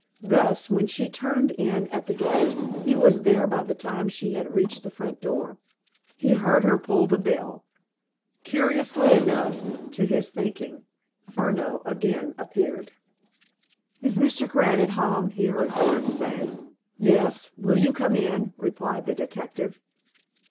Thus, when she turned in at the gate, he was there by the time she had reached the front door. He heard her pull the bell. Curiously enough, to his thinking, Furneaux again appeared. "Is Mr. Grant at home?" he heard Doris say. "Yes. Will you come in?" replied the detective.